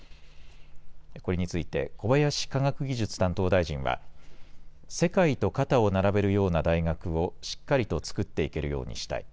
これについて小林科学技術担当大臣は世界と肩を並べるような大学をしっかりと作っていけるようにしたい。